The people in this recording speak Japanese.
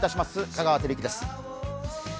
香川照之です。